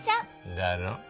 だろ？